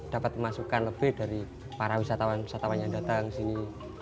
dapat memasukkan lebih dari para wisatawan wisatawan yang datang ke sini